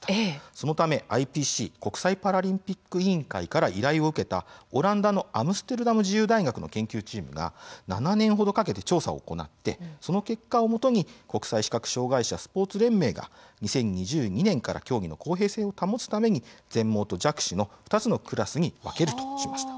そのため、ＩＰＣ＝国際パラリンピック委員会から依頼を受けたオランダのアムステルダム自由大学の研究チームが７年程かけて調査を行ってその結果をもとに国際視覚障害者スポーツ連盟が２０２２年から競技の公平性を保つために全盲と弱視の２つのクラスに分けることとしました。